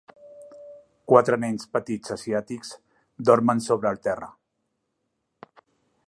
Quatre nens petits asiàtics dormen sobre el terra